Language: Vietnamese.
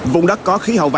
vùng đất có khí hậu vàng